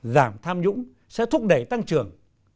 giảm tham nhũng sẽ thúc đẩy tăng trưởng